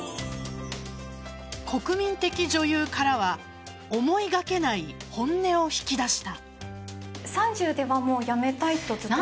国民的女優からは思いがけない本音を引き出した。